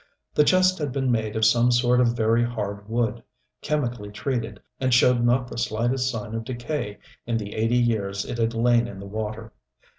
The chest had been made of some sort of very hard wood, chemically treated, and showed not the slightest sign of decay in the eighty years it had lain in the water.